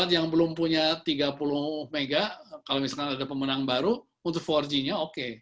yang belum punya tiga puluh m kalau misalkan ada pemenang baru untuk empat g nya oke